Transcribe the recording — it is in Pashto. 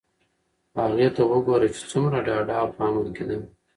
هغې ته وگوره چې څومره ډاډه او په امن کې ده.